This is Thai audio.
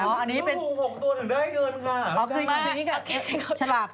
อ๋ออันนี้เป็นจริงคำสิ่งนี้ค่ะฉลากเอกชน